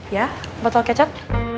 ya botol kecap